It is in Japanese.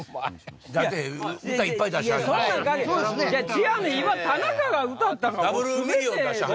違うねん今田中が歌ったのが。